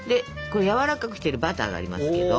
やわらかくしてるバターがありますけど。